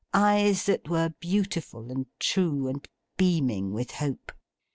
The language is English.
Eyes that were beautiful and true, and beaming with Hope.